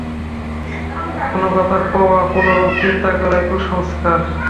কোন কথা কওয়া, কোনরূপ চিন্তা করাই কুসংস্কার।